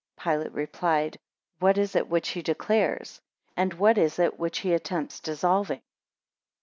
3 Pilate replied, What is it which he declares? and what is it which he attempts dissolving?